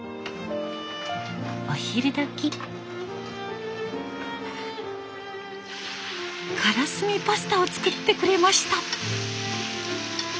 お昼どき。からすみパスタを作ってくれました。